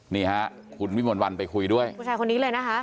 นี่ฮะคุณวิมนต์วันไปคุยด้วยผู้ชายคนนี้เลยนะคะ